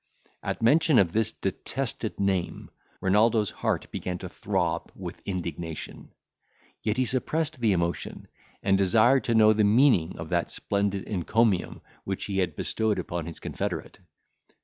At mention of this detested name, Renaldo's heart began to throb with indignation; yet he suppressed the emotion, and desired to know the meaning of that splendid encomium which he had bestowed upon his confederate.